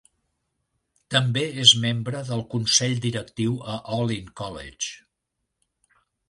També és membre del Consell Directiu a Olin College.